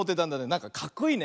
なんかかっこいいね。